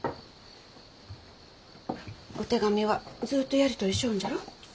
お手紙はずっとやり取りしょんじゃろ。